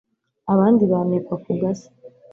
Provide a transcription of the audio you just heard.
abandi banikwa ku gasi